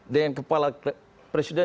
dengan kepala presiden